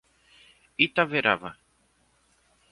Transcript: Itaverava